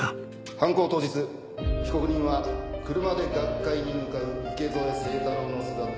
犯行当日被告人は車で学会に向かう池添清太郎の姿を目視で確認。